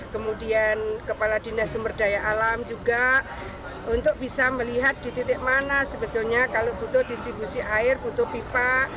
kemudian kepala dinas sumber daya alam juga untuk bisa melihat di titik mana sebetulnya kalau butuh distribusi air butuh pipa